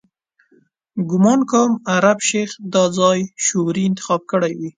ګومان کوم عرب شیخ دا ځای شعوري انتخاب کړی وي.